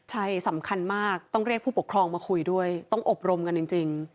ใช่สำคัญมากต้องเรียกผู้ปกครองมาคุยด้วยต้องอบรมกันจริง